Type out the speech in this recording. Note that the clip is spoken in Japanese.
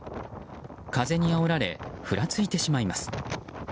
風にあおられふらついてしまいます。